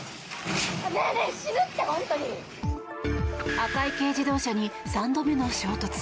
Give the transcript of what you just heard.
赤い軽自動車に３度目の衝突。